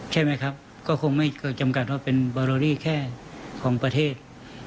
ใช่ไหมครับก็คงไม่เคยจำกัดว่าเป็นบาโรรี่แค่ของประเทศ